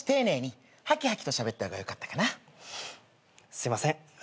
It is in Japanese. すいません。